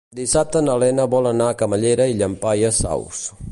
Dissabte na Lena vol anar a Camallera i Llampaies Saus.